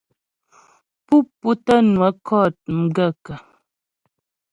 Pú pútə́ nwə kɔ̂t m gaə̂kə́ ?